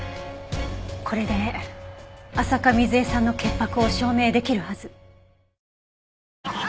これで浅香水絵さんの潔白を証明できるはず。